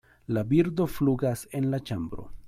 La birdo flugas en la ĉambro (